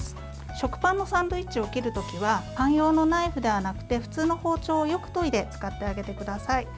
食パンのサンドイッチを切る時はパン用のナイフではなくて普通の包丁をよく研いで使ってあげてください。